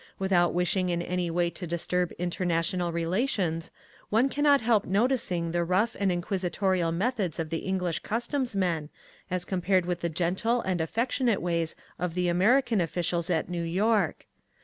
Without wishing in any way to disturb international relations, one cannot help noticing the rough and inquisitorial methods of the English customs men as compared with the gentle and affectionate ways of the American officials at New York.